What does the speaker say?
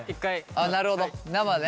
あっなるほど生ね。